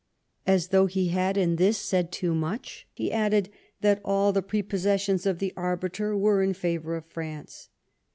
As though he had in this said too much, he added, that all the prepossessions of the arbiter were in favour of France.